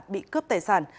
bị cướp tài sản